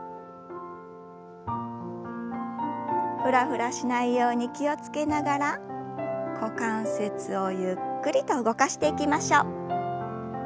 フラフラしないように気を付けながら股関節をゆっくりと動かしていきましょう。